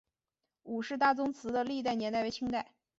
伍氏大宗祠的历史年代为清代。